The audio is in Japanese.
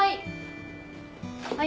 はい。